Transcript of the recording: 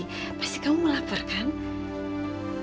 nanti ibu masakin kamu masakan yang enak sekali